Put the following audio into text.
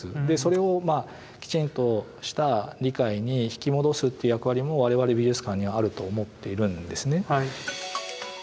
でそれをきちんとした理解に引き戻すっていう役割も我々美術館にはあると思っているんですね。